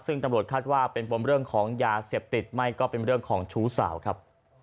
ซึ่งตำรวจคาดว่าเป็นปมเรื่องของยาเสพติดไม่ก็เป็นเรื่องของชู้สาวครับ